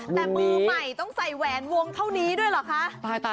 แต่มือใหม่ต้องใส่แหวนวงเท่านี้ด้วยเหรอคะ